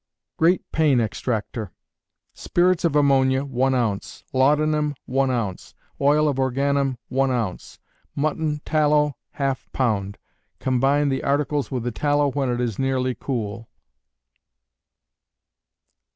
Great Pain Extractor. Spirits of ammonia, one ounce; laudanum, one ounce; oil of organum, one ounce; mutton tallow, half pound; combine the articles with the tallow when it is nearly cool.